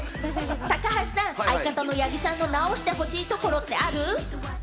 高橋さん、相方の八木さんの直してほしいところってある？